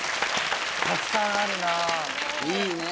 たくさんあるないいね